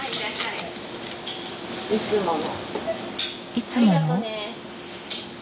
いつもの？